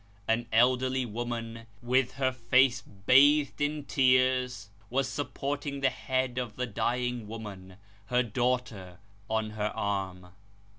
An elderly woman, with her face bathed in tears, was supporting the head of the dying woman her daughter on her arm.